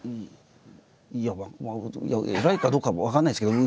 いや偉いかどうかは分からないですけどね。